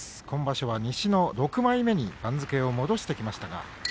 今場所は西の６枚目に番付を戻してきました。